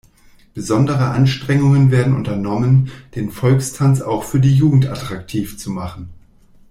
Besondere Anstrengungen werden unternommen, den Volkstanz auch für die Jugend attraktiv zu machen.